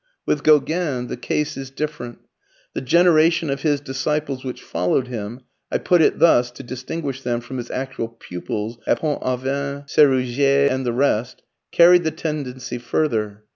With Gauguin the case is different. The generation of his disciples which followed him I put it thus to distinguish them from his actual pupils at Pont Aven, Serusier and the rest carried the tendency further.